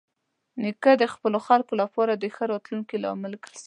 نیکه د خپلو خلکو لپاره د ښه راتلونکي لامل ګرځي.